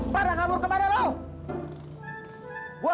padang abur kemana lo